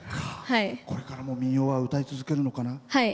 これからも民謡は歌い続けるのかな？